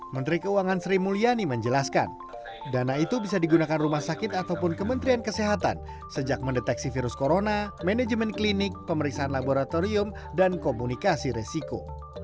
menteri keuangan sri mulyani menjelaskan dana itu bisa digunakan rumah sakit ataupun kementerian kesehatan sejak mendeteksi virus corona manajemen klinik pemeriksaan laboratorium dan komunikasi resiko